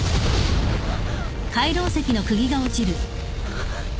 あっ！